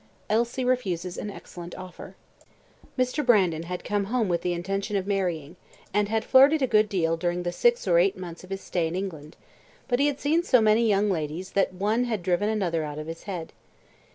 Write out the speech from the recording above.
Elsie Refuses An Excellent Offer Mr. Brandon had come home with the intention of marrying, and had flirted a good deal during the six or eight months of his stay in England, but he had seen so many young ladies that one had driven another out of his head.